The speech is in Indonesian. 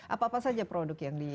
apa apa saja produk yang di